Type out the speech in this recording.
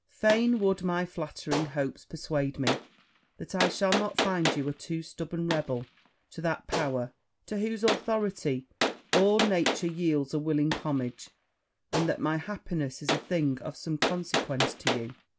Fain would my flattering hopes persuade me that I shall not find you a too stubborn rebel to that power, to whose authority all nature yields a willing homage, and that my happiness is a thing of some consequence to you.